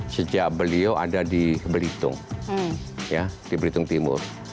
sejak beliau ada di belitung di belitung timur